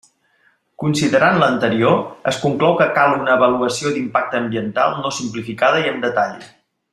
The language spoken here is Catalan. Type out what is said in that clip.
Considerant l'anterior, es conclou que cal una avaluació d'impacte ambiental no simplificada i amb detall.